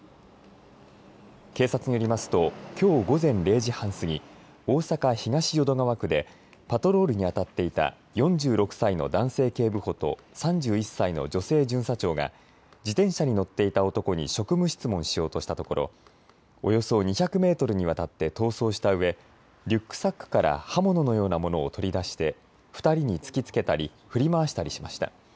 警察によりますときょう午前０時半過ぎ、大阪東淀川区でパトロールにあたっていた４６歳の男性警部補と３１歳の女性巡査長が自転車に乗っていた男に職務質問しようとしたところおよそ２００メートルにわたって逃走したうえリュックサックから刃物のようなものを取り出して２人に突きつけたり振り回したりしました。